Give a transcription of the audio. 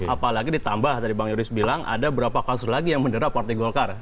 apalagi ditambah tadi bang yoris bilang ada beberapa kasus lagi yang menderap partai golkar